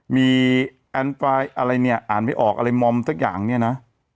มีแอนไฟล์อะไรเนี่ยอ่านไม่ออกอะไรมอมสักอย่างเนี่ยนะ